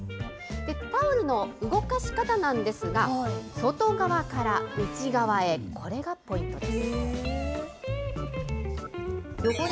タオルの動かし方なんですが、外側から内側へ、これがポイントです。